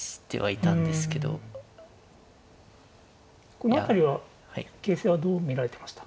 この辺りは形勢はどう見られてました？